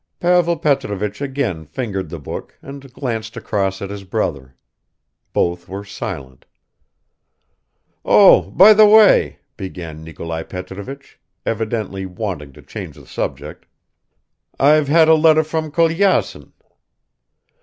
Pavel Petrovich again fingered the book and glanced across at his brother. Both were silent. "Oh, by the way," began Nikolai Petrovich, evidently wanting to change the subject "I've had a letter from Kolyazin."